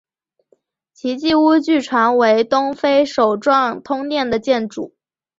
奇迹屋据传为东非首幢通电的建筑。